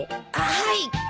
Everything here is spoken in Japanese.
はい。